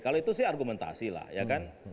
kalau itu sih argumentasi lah ya kan